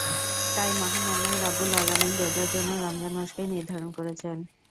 তাই মহান আল্লাহ রাব্বুল আলামিন রোজার জন্য রমজান মাসকেই নির্ধারণ করেছেন।